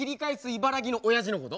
茨城のおやじのこと？